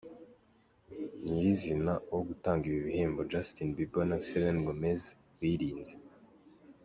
nyirizina wo gutanga ibi bihembo, Justin Bieber na Selena Gomez birinze.